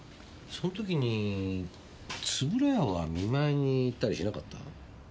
その時に円谷は見舞いに行ったりしなかった？